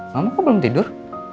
mama kok belum tidur